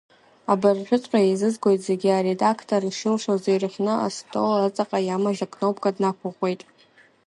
Абыржәыҵәҟьа еизызгоит зегьы, аредақтор ишилшоз ирӷьны астол аҵаҟа иамаз акнопка днақәыӷәӷәеит.